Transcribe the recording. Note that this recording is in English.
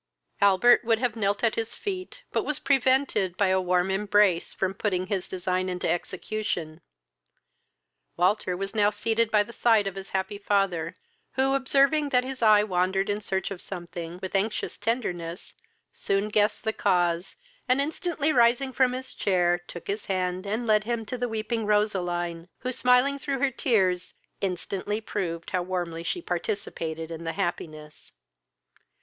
Albert would have knelt at his feet, but was prevented by a warm embrace from putting his design in execution. Walter was now seated by the side of his happy father, who, observing that his eye wandered in search of something, with anxious tenderness, soon guessed the cause, and, instantly rising from his chair, took his hand, and led him to the weeping Roseline, who, smiling through her tears, instantly proved how warmly she participated in the happiness.